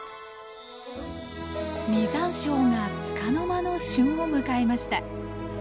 実山椒がつかの間の旬を迎えました。